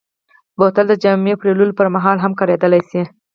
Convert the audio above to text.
بوتل د جامو مینځلو پر مهال هم کارېدلی شي.